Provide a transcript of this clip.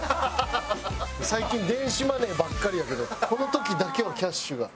最近電子マネーばっかりやけどこの時だけはキャッシュが。